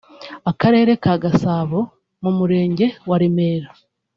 akarere ka Gasabo mu Murenge wa Remera